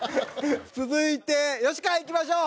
続いて吉川いきましょう！